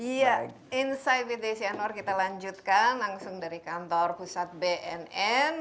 iya insight with desi anwar kita lanjutkan langsung dari kantor pusat bnn